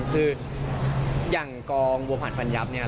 คืออย่างกองบัวผัดฟันยับเนี่ย